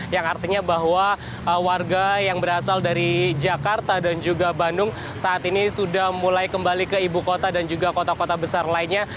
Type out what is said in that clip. yang artinya bahwa warga yang berasal dari jakarta dan juga bandung saat ini sudah mulai kembali ke ibu kota dan juga kota kota besar lainnya